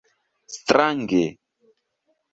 strange